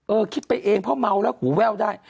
คิดไปเองเพราะเมาแล้วหูแว่วได้